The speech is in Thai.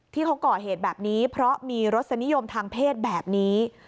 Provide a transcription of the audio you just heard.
ที่เขาก่อเหตุแบบนี้เพราะมีรสนิยมทางเพศแบบนี้